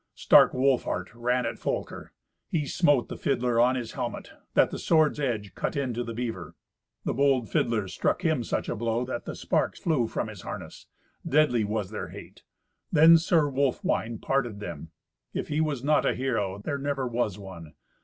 Stark Wolfhart ran at Folker. He smote the fiddler on his helmet, that the sword's edge cut into the beaver. The bold fiddler struck him such a blow that the sparks flew from his harness. Deadly was their hate. Then Sir Wolfwine parted them. If he was not a hero, there never was one.